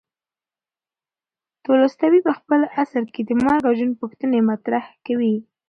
تولستوی په خپل اثر کې د مرګ او ژوند پوښتنې مطرح کوي.